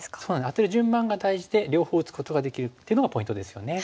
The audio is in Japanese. アテる順番が大事で両方打つことができるっていうのがポイントですよね。